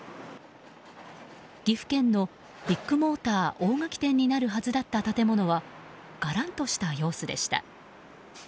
岐阜県のビッグモーター大垣店になるはずだった建物はがらんとした様子でした。